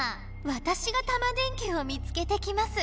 わたしがタマ電Ｑを見つけてきます。